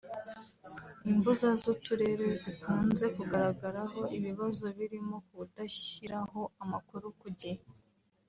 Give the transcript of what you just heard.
Imbuza z’Uturere zikunze kugaragaraho ibibazo birimo kudashyiraho amakuru ku gihe